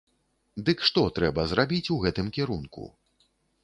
Дык што трэба зрабіць у гэтым кірунку?